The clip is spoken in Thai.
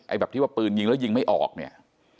แบบที่ว่าปืนยิงแล้วยิงไม่ออกเนี่ย